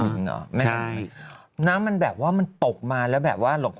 เนี่ยมันแบบว่ามันตกมาแล้วแบบว่า